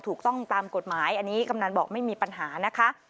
ถูกต้องตามกฎหมายอันนี้กำนันบอกไม่มีปัญหานะคะ